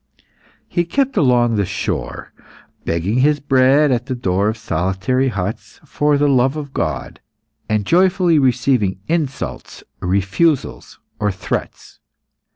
He kept along the shore, begging his bread at the door of solitary huts for the love of God, and joyfully receiving insults, refusals, or threats.